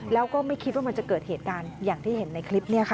แล้วก็ไม่คิดว่ามันจะเกิดเหตุการณ์อย่างที่เห็นในคลิปนี้ค่ะ